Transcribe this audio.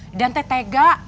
idan kamu tega